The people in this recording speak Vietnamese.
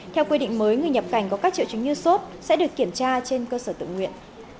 theo quy định mới người nhập cảnh có các triệu chứng như sốt sẽ được kiểm tra trên cơ sở tự nguyện